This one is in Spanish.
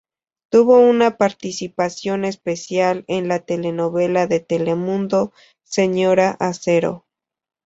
Tuvo una participación especial en la telenovela de Telemundo "Señora Acero".